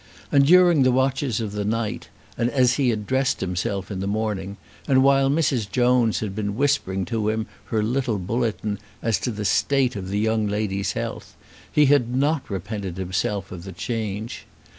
And during the watches of the night, and as he had dressed himself in the morning, and while Mrs. Jones had been whispering to him her little bulletin as to the state of the young lady's health, he had not repented himself of the change.